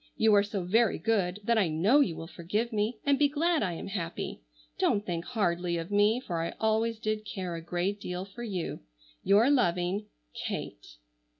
You are so very good that I know you will forgive me, and be glad I am happy. Don't think hardly of me for I always did care a great deal for you. "Your loving "KATE."